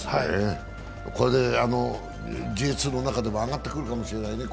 これでＪ１の中でも今後上がってくるかもしれないね。